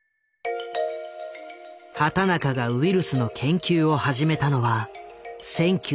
畑中がウイルスの研究を始めたのは１９６０年代前半。